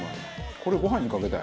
これご飯にかけたい。